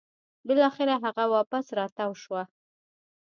بلاخره هغه واپس راتاو شوه